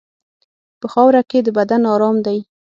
په خاوره کې د بدن ارام دی.